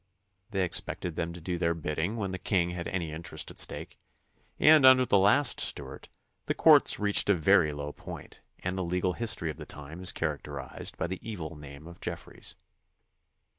They expected them to do their bidding when the king had any interest at stake, and under the last Stuart the courts reached a very low point and the legal history of the time is characterized by the evil name of Jef freys.